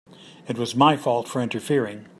It was my fault for interfering.